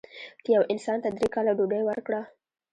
که یو انسان ته درې کاله ډوډۍ ورکړه.